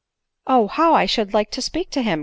" Oh ! how I should like to speak to him